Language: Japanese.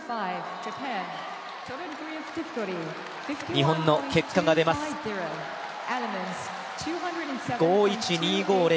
日本の結果が出ます。５１．２５０。